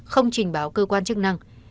không trình báo cơ quan chức năng